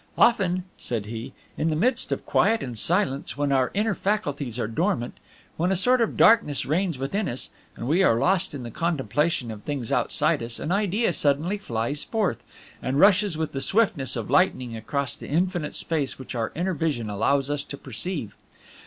"Often," said he, "in the midst of quiet and silence, when our inner faculties are dormant, when a sort of darkness reigns within us, and we are lost in the contemplation of things outside us, an idea suddenly flies forth, and rushes with the swiftness of lightning across the infinite space which our inner vision allows us to perceive.